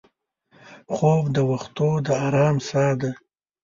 خوب د وختو د ارام سا ده